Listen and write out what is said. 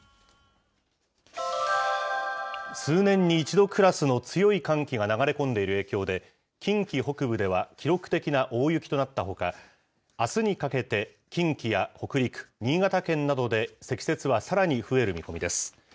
数年に一度クラスの強い寒気が流れ込んでいる影響で、近畿北部では記録的な大雪となったほか、あすにかけて近畿や北陸、新潟県などで積雪はさらに増える見込みです。